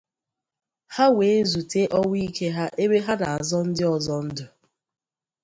ha wee zute ọnwụ ike ha ebe ha na-azọ ndị ọzọ ndụ.